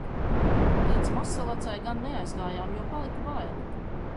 Līdz Mazsalacai gan neaizgājām, jo palika bail.